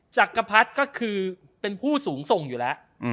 จักรพรรดิก็คือเป็นผู้สูงส่งอยู่แล้ว